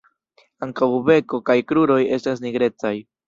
Ankaŭ beko kaj kruroj estas nigrecaj.